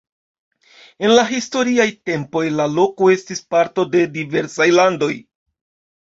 En la historiaj tempoj la loko estis parto de diversaj landoj.